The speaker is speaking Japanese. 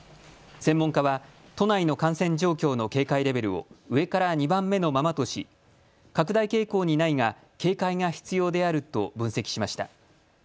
専門家は都内の感染状況の警戒レベルを上から２番目のままとし拡大傾向にないが警戒が必要であると分析しました。